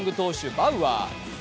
バウアー。